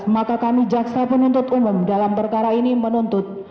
maka kami jaksa penuntut umum dalam perkara ini menuntut